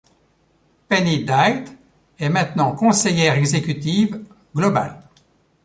Penny Dyte est maintenant conseillère exécutive - global.